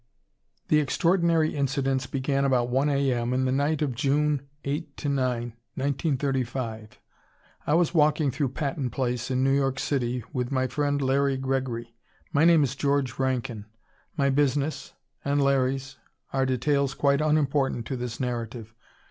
] The extraordinary incidents began about 1 A.M. in the night of June 8 9, 1935. I was walking through Patton Place, in New York City, with my friend Larry Gregory. My name is George Rankin. My business and Larry's are details quite unimportant to this narrative.